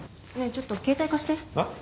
ちょっと携帯貸してえっ？